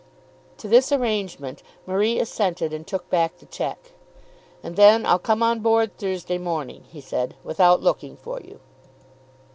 To this arrangement Marie assented and took back the cheque. "And then I'll come on board on Thursday morning," he said, "without looking for you."